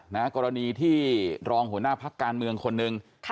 กรณีที่รองหัวหน้าพักการเมืองคนหนึ่ง